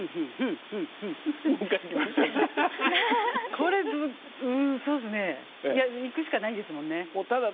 これうんそうですねいや行くしかないですもんね。